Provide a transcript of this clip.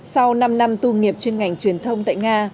sau năm năm tu nghiệp chuyên ngành truyền thông tại nga